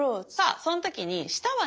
そん時に舌はね